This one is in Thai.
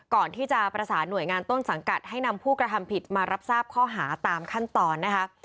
ก่อนที่จะประสานหน่วยงานต้นสังกัดให้นำผู้กระทำผิดมารับทราบข้อหาตามขั้นตอนนะคะ